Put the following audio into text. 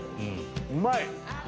うまい！